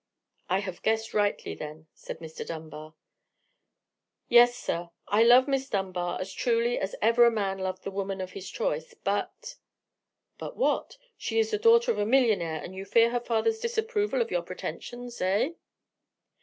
"I have guessed rightly, then," said Mr. Dunbar. "Yes, sir, I love Miss Dunbar as truly as ever a man loved the woman of his choice! but——" "But what? She is the daughter of a millionaire, and you fear her father's disapproval of your pretensions, eh?"